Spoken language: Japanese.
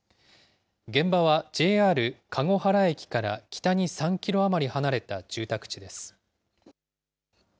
現場はＪＲ籠原駅から北に３キロ余り離れた住宅地です。